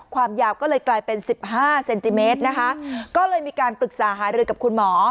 ความยาวก็เลยกลายเป็นสิบห้าเซนติเมตรนะคะก็เลยมีการปรึกษาหารือกับคุณหมอ